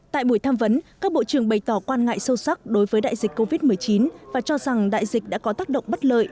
tại buổi tham vấn các bộ trưởng bày tỏ quan ngại sâu sắc đối với đại dịch covid một mươi chín và cho rằng đại dịch đã có tác động bất lợi